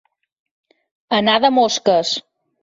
Anar de mosques.